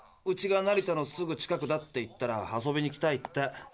「うちが成田のすぐ近くだ」って言ったら「遊びに来たい」って。